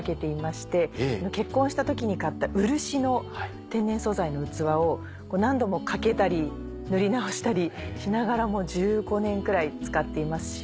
結婚した時に買った漆の天然素材の器を何度も欠けたり塗り直したりしながらもう１５年くらい使っていますし。